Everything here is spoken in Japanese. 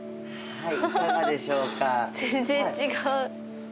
はい。